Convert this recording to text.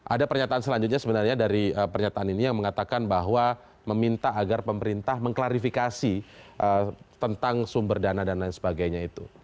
ada pernyataan selanjutnya sebenarnya dari pernyataan ini yang mengatakan bahwa meminta agar pemerintah mengklarifikasi tentang sumber dana dan lain sebagainya itu